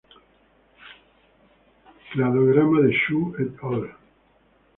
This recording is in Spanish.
Cladograma de Xu "et al.